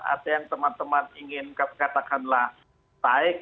ada yang teman teman ingin katakanlah baik